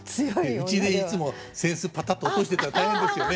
うちでいつも扇子パタッと落としてたら大変ですよね。